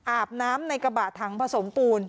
อาบน้ำในกระบะถังผสมปูน